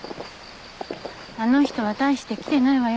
あの人は大して来てないわよ